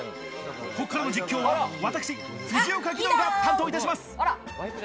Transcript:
ここからの実況は私、辻岡義堂が担当いたします。